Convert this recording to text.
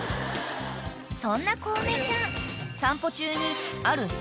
［そんな小梅ちゃん］